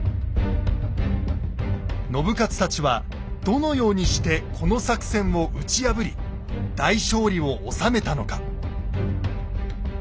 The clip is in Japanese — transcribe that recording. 信雄たちはどのようにしてこの作戦を打ち破り大勝利を収めたのか。